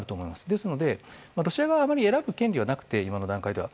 ですので、ロシア側にはあまり選ぶ権利はなくて今の段階では。